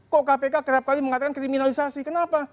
kok kpk kerap kali mengatakan kriminalisasi kenapa